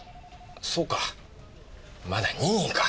そうかまだ任意か。